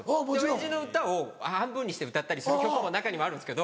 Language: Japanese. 親父の歌を半分にして歌ったりする曲も中にはあるんですけど。